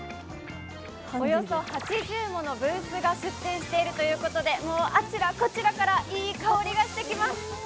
およそ８０ものブースが出展しているということでもうあちらこちらからいい香りがしてきます。